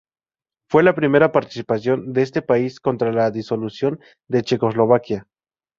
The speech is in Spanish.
Fue la primera participación de este país tras la disolución de Checoslovaquia.